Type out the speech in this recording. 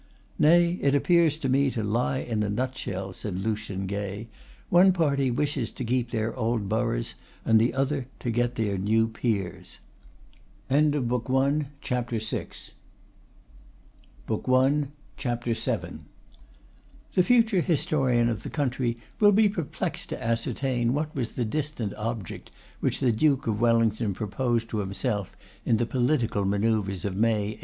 'Nay, it appears to me to lie in a nutshell,' said Lucian Gay; 'one party wishes to keep their old boroughs, and the other to get their new peers.' CHAPTER VII. The future historian of the country will be perplexed to ascertain what was the distinct object which the Duke of Wellington proposed to himself in the political manoeuvres of May, 1832.